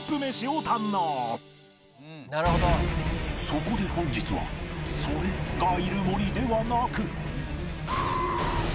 そこで本日は『“それ”がいる森』ではなく